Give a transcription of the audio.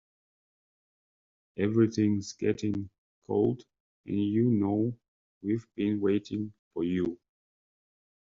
Everything's getting cold and you know we've been waiting for you.